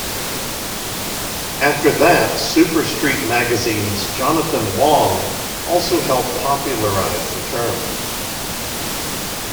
After that Super Street Magazine's Jonathan Wong also helped popularise the term.